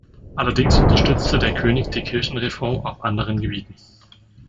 Allerdings unterstützte der König die Kirchenreform auf anderen Gebieten.